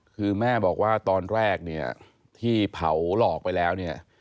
คือแม่บอกว่าตอนแรกที่เผาหลอกไปแล้ว